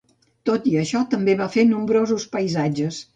Tot i això també va fer nombrosos paisatges.